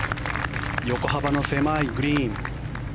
横幅の狭いグリーン。